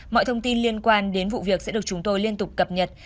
mọi thông tin liên quan đến vụ việc sẽ được chúng tôi liên tục cập nhật